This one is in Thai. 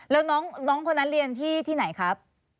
แล้วน้องคนนั้นเรียนที่ไหนครับ